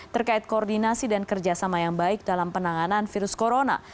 terkait koordinasi dan kerjasama yang baik dalam penanganan virus corona